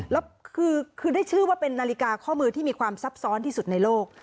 แล้วคือได้ชื่อว่าเป็นนาฬิกาข้อมือที่มีความซับซ้อนที่สุดในโลก